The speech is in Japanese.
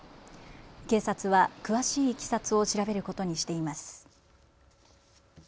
警察は詳しいいきさつを調べることにしています。